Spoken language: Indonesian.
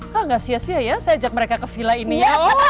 kak gak sia sia ya saya ajak mereka ke villa ini ya